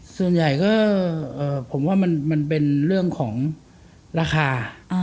ส่วนใหญ่ก็ผมว่ามันเป็นเรื่องของราคา